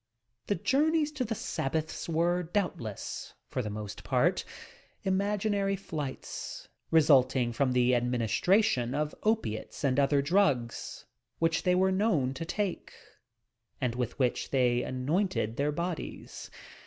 The journeys to the sabbaths were doubtless, for the most part, imaginary flights, — resulting from the administration of opiates and other dmgs which they were known to take, and with which they anointed their bodies.